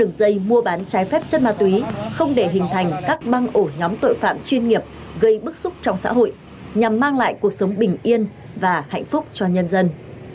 gây bức xúc trong xã hội nhằm mang lại cuộc sống bình yên và hạnh phúc cho nhân dân